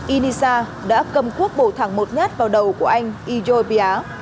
inisa đã cầm cuốc bổ thẳng một nhát vào đầu của anh ijon pia